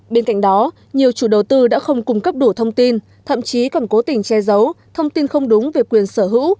bên cạnh đó nhiều chủ đầu tư đã không cung cấp đủ thông tin thậm chí còn cố tình che giấu thông tin không đúng về quyền sở hữu